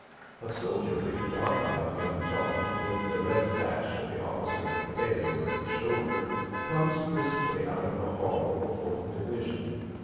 A soldierly, dark eyed young fellow, with the red sash of the officer of the day over his shoulder, comes briskly out of the hall of the fourth division.